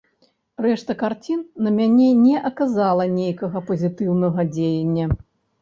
Рэшта карцін на мяне не аказала нейкага пазітыўнага дзеяння.